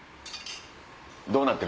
どうなってる？